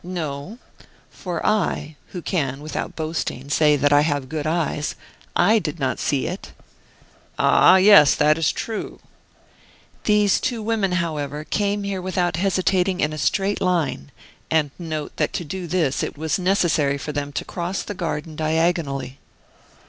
No; for I, who can, without boasting, say that I have good eyes I did not see it." "Ah! yes, that is true!" "These two women, however, came here without hesitating, in a straight line; and note that to do this, it was necessary for them to cross the garden diagonally."